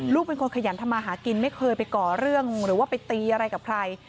เป็นคนขยันทำมาหากินไม่เคยไปก่อเรื่องหรือว่าไปตีอะไรกับใคร